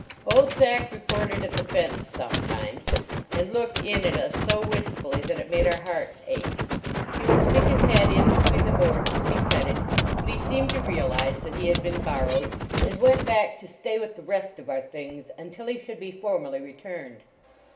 Old Zack reported at the fence sometime . and looked in at us so wistfully that it made our hearts ache; he would stick his head in between the boards to be petted, but he seemed to realize that he had been borrowed, and went back to stay with the rest of our things, until he should be formally returned.